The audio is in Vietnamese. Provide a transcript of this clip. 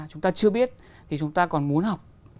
chúng ta chưa biết thì chúng ta còn muốn học